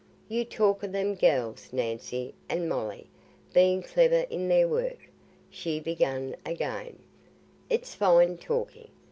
"You talk o' them gells Nancy and Molly being clever i' their work," she began again; "it's fine talking.